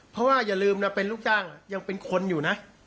เพราะว่าอย่าลืมนะเป็นลูกจ้างยังเป็นคนอยู่นะ